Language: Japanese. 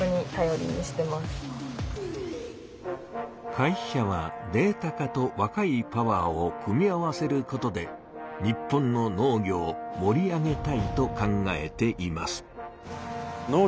会社はデータ化とわかいパワーを組み合わせることで日本の農業をもり上げたいと考えています。